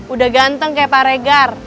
udah ganteng kayak pak regar